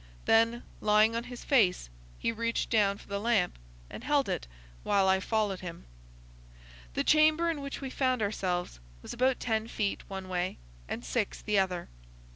Then, lying on his face, he reached down for the lamp and held it while I followed him. The chamber in which we found ourselves was about ten feet one way and six the other.